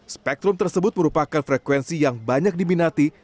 spektrum tersebut merupakan frekuensi yang banyak diminati